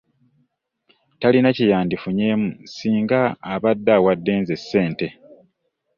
Talina kye yandifunyemu singa abadde awadde nze ssente.